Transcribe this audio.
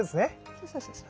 そうそうそうそう。